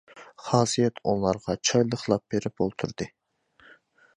خاسىيەت ئۇلارغا چاي لىقلاپ بېرىپ ئولتۇردى.